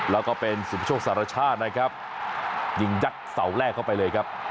แล้วก็เป็นสุประโชคสารชาตินะครับยิงยัดเสาแรกเข้าไปเลยครับ